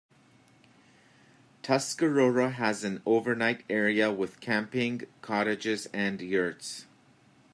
Tuscarora has an overnight area with camping cottages and yurts.